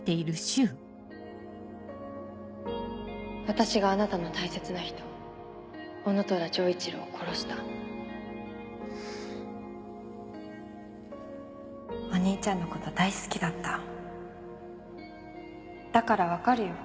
私があなたの大切な人男虎丈一郎を殺したお兄ちゃんのこと大好きだっただから分かるよ